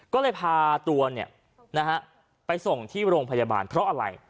ก็เลยพาตัวไปส่งที่โรงพยาบาลเพราะอะไร